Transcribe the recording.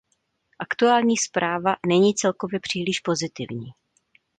Aktuální zpráva není celkově příliš pozitivní.